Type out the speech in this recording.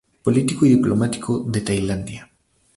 Político y diplomático de Tailandia.